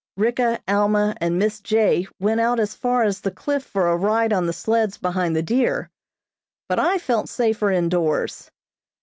Ricka, Alma and Miss J. went out as far as the cliff for a ride on the sleds behind the deer, but I felt safer indoors.